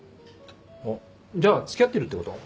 じゃあ付き合ってるってこと？